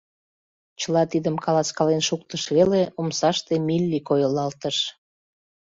Чыла тидым каласкален шуктыш веле, омсаште Милли койылалтыш.